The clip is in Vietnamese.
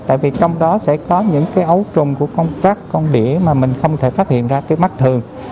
tại vì trong đó sẽ có những cái ấu trùng của các con đĩa mà mình không thể phát hiện ra cái mắt thường